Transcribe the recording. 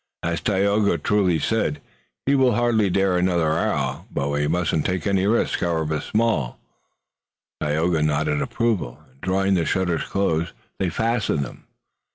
As Tayoga truly said, he will hardly dare another arrow, but we mustn't take any risk, however small." Tayoga nodded approval, and drawing the shutters close, they fastened them.